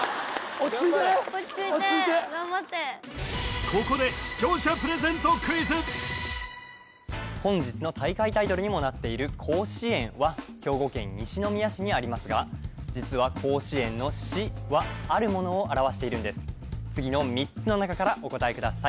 落ち着いて落ち着いて頑張ってここで本日の大会タイトルにもなっている甲子園は兵庫県西宮市にありますが実は甲子園の「子」はあるものを表しているんです次の３つの中からお答えください